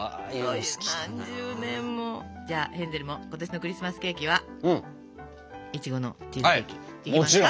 じゃあヘンゼルも今年のクリスマスケーキはいちごのチーズケーキいきますか？